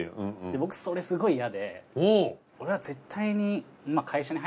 僕それすごい嫌で俺は絶対に。